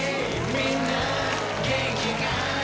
みんな元気かい？